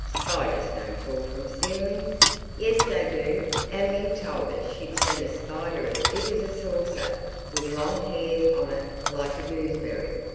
"Spiders don't fall from ceilings." "Yes, they do. Our Min told us she'd seen a spider as big as a saucer, with long hairs on it like a gooseberry."